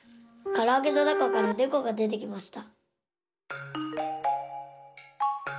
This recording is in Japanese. からあげのなかからねこがでてきました。